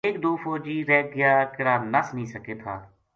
ایک دو فوجی رہ گیاکِہڑا نس نیہہ سکیں تھا